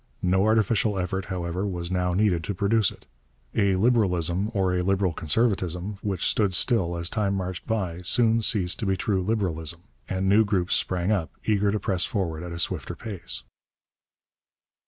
No artificial effort, however, was now needed to produce it. A Liberalism or a Liberal Conservatism which stood still as time marched by soon ceased to be true Liberalism; and new groups sprang up, eager to press forward at a swifter pace.